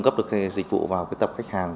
tập được dịch vụ vào tập khách hàng